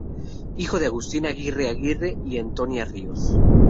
Hijo de Agustín Aguirre Aguirre y Antonia Ríos.